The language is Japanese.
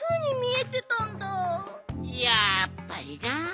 やっぱりな。